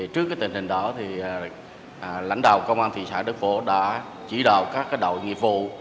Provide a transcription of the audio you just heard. trước tình hình đó lãnh đạo công an thị xã đức phổ đã chỉ đạo các đội nghiệp vụ